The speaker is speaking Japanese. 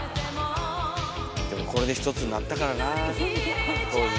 でもこれで一つになったからなあ当時。